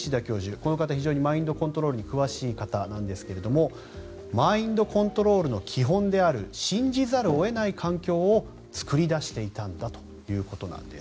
この方、非常にマインドコントロールに詳しい方なんですがマインドコントロールの基本である信じざるを得ない環境を作り出していたんだということなんです。